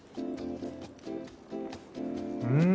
うん。